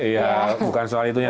iya bukan soal itunya